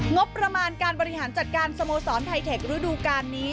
งบประมาณการบริหารจัดการสโมสรไทเทคนิดูการนี้